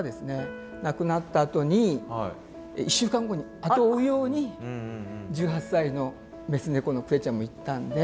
亡くなったあとに１週間後に後を追うように１８歳の雌猫のクレちゃんも逝ったんで。